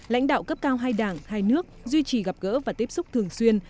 lãnh đạo cấp cao hai đảng hai nước duy trì gặp gỡ và tiếp xúc thường xuyên